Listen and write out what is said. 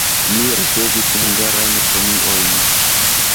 Li ricevis hungarajn premiojn.